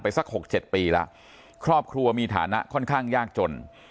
สักหกเจ็ดปีแล้วครอบครัวมีฐานะค่อนข้างยากจน